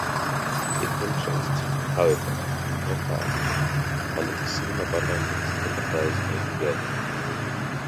The interest, however, did not last, and he soon abandoned this enterprise altogether.